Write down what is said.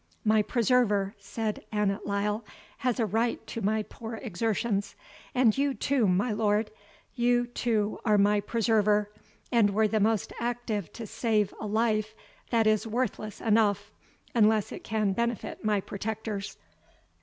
"My preserver," said Annot Lyle, "has a right to my poor exertions; and you, too, my lord, you, too, are my preserver, and were the most active to save a life that is worthless enough, unless it can benefit my protectors."